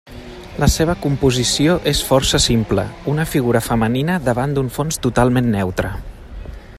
La seva composició és força simple, una figura femenina davant d'un fons totalment neutre.